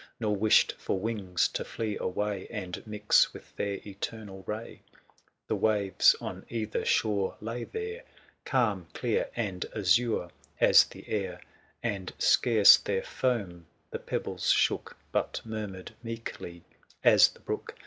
Nor wished for wings to flee away, 205 And mix with their eternal ray ? The waves on either shore lay there Calm, clear, and azure as the air ; THE SIEGE OF CORINTH. 17 And scarce their foam the pebbles shook, But murmured meekly as the brook.